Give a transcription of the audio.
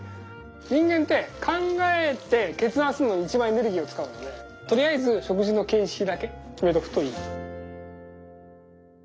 人間って考えて決断するのに一番エネルギーを使うのでとりあえず食事の形式だけ決めとくといい。